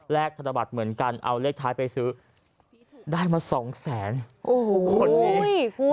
ธนบัตรเหมือนกันเอาเลขท้ายไปซื้อได้มาสองแสนโอ้โหคนนี้คุณ